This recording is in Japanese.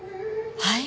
はい？